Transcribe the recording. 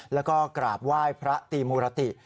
แล้วก็กราบไหว้พระตีมุรติ